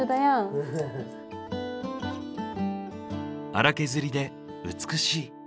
荒削りで美しい。